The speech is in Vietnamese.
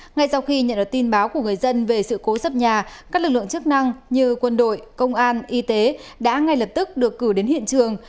ngay sau khi nhận được tin báo của người dân về sự cố sập nhà các lực lượng chức năng như quân đội công an y tế đã ngay lập tức được cử đến hiện trường